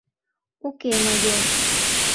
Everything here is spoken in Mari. — Уке, майор!